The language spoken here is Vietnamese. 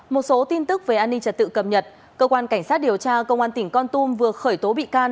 một số tin tức về an ninh trật tự cập nhật cơ quan cảnh sát điều tra công an tỉnh con tum vừa khởi tố bị can